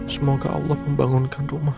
semoga allah membangunkan rumah